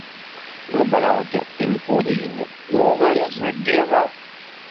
Ḍebbreɣ-d tinfulin i ubaraz n yiḍ-a.